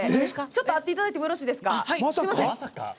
会っていただいてもよろしいですか？